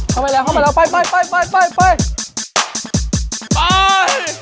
เข้าไปแล้วไป